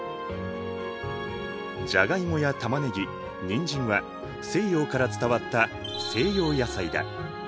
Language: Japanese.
じゃがいもやたまねぎにんじんは西洋から伝わった西洋野菜だ。